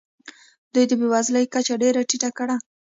دوی د بې وزلۍ کچه ډېره ټیټه کړه.